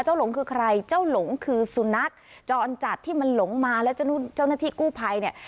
หลงคือใครเจ้าหลงคือสุนัขจรจัดที่มันหลงมาแล้วเจ้าหน้าที่กู้ภัยเนี่ย